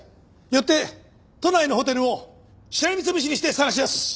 よって都内のホテルをしらみ潰しにして捜し出す！